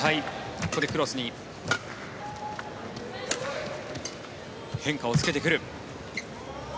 ここでクロスに変化をつけてくる。